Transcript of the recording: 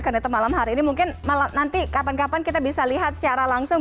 karena itu malam hari ini mungkin malam nanti kapan kapan kita bisa lihat secara langsung